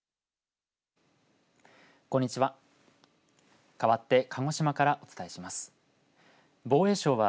こんにちは。